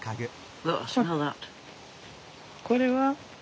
これは？